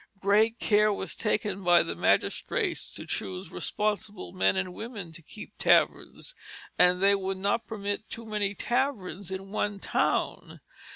Great care was taken by the magistrates to choose responsible men and women to keep taverns, and they would not permit too many taverns in one town.